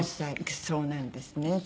そうなんですね。